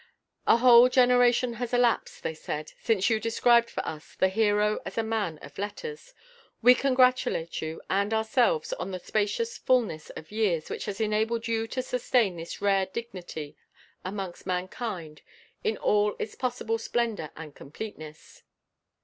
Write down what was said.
"A whole generation has elapsed," they said, "since you described for us the hero as a man of letters. We congratulate you and ourselves on the spacious fulness of years which has enabled you to sustain this rare dignity amongst mankind in all its possible splendour and completeness."